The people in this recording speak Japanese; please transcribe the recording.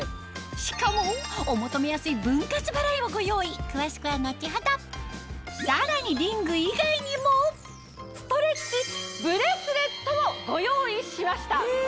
しかもお求めやすい分割払いをご用意詳しくは後ほどストレッチブレスレットもご用意しました。